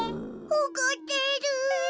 おこってる。